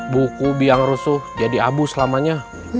buku biang rusuh jadi abu selamanya